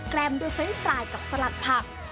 แกลมด้วยฟันไฟล์กับสลัดผัก